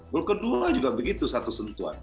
gol kedua juga begitu satu sentuhan